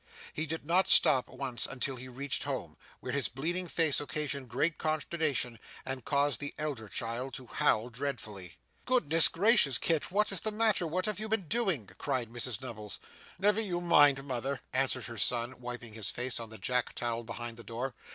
He did not stop once until he reached home, where his bleeding face occasioned great consternation, and caused the elder child to howl dreadfully. 'Goodness gracious, Kit, what is the matter, what have you been doing?' cried Mrs Nubbles. 'Never you mind, mother,' answered her son, wiping his face on the jack towel behind the door.